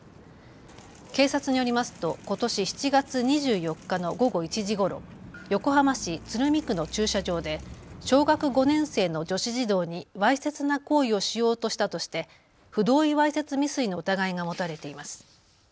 警察によりますと、ことし７月２４日の午後１時ごろ横浜市鶴見区の駐車場で小学５年生の女子児童にわいせつな行為をしようとしたとして不同意わいせつ未遂の疑いが持たれています。